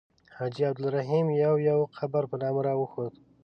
حاجي عبدالرحیم یو یو قبر په نامه راښود.